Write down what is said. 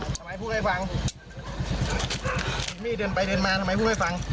ทำไมพูดให้ฟังมี่เดินไปเดินมาทำไมพูดให้ฟัง